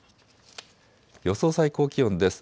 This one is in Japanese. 予想最高気温です。